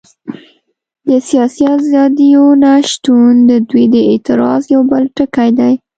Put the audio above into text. د سیاسي ازادیو نه شتون د دوی د اعتراض یو بل ټکی دی.